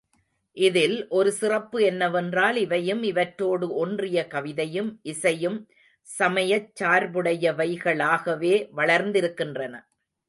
இதில் ஒரு சிறப்பு என்னவென்றால் இவையும், இவற்றோடு ஒன்றிய கவிதையும் இசையும் சமயச் சார்புடையவைகளாகவே வளர்ந்திருக்கின்றன.